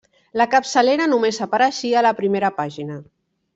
La capçalera només apareixia a la primera pàgina.